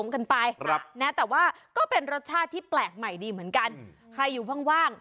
กันไปแต่ว่าก็เป็นรสชาติที่แปลกใหม่ดีเหมือนกันใครอยู่ว่าง